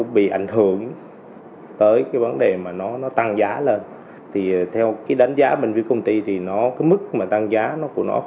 và hiện tại bây giờ